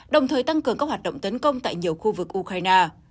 đồng thời tăng cường các hoạt động tấn công tại nhiều khu vực ukraine